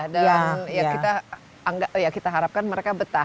dan kita harapkan mereka betah